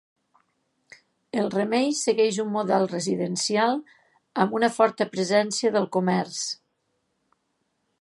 El Remei segueix un model residencial amb una forta presència del comerç.